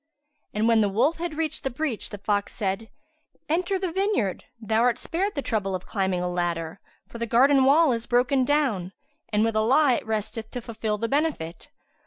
And when the wolf had reached the breach the fox said, "Enter the vineyard: thou art spared the trouble of climbing a ladder, for the garden wall is broken down, and with Allah it resteth to fulfil the benefit."